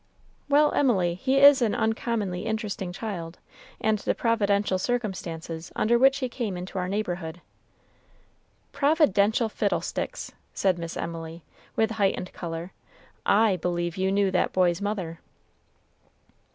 "Well, Emily, he is an uncommonly interesting child, and the providential circumstances under which he came into our neighborhood" "Providential fiddlesticks!" said Miss Emily, with heightened color, "I believe you knew that boy's mother."